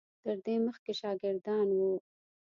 تر دې مخکې شاګردان وو.